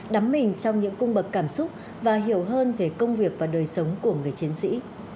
đắm mình trong những cung bậc cảm xúc và hiểu hơn về công việc và đời sống của người chiến sĩ